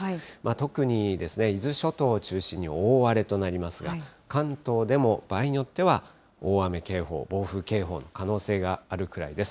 特に伊豆諸島を中心に大荒れとなりますが、関東でも場合によっては、大雨警報、暴風警報の可能性があるくらいです。